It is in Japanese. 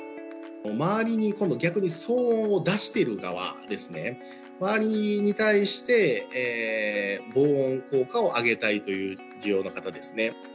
周りに今度逆に騒音を出している側ですね、周りに対して、防音効果を上げたいという需要の方ですね。